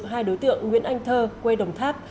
hai đối tượng nguyễn anh thơ quê đồng tháp